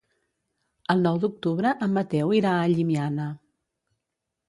El nou d'octubre en Mateu irà a Llimiana.